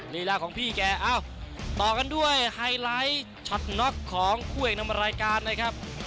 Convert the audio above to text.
นี่ล่าของพี่แกต่อกันด้วยไฮไลท์ช็อตน็อกของผู้เอกนำมารายการเลยครับ